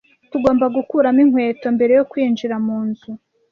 Tugomba gukuramo inkweto mbere yo kwinjira munzu.